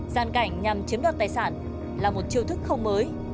gian cảnh nhằm chiếm đoạt tài sản là một chiêu thức không mới